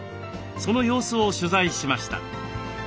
その様子を取材しました。